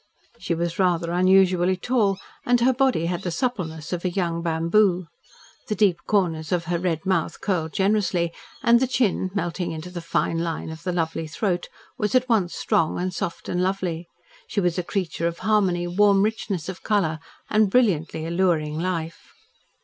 She was rather unusually tall, and her body had the suppleness of a young bamboo. The deep corners of her red mouth curled generously, and the chin, melting into the fine line of the lovely throat, was at once strong and soft and lovely. She was a creature of harmony, warm richness of colour, and brilliantly alluring life.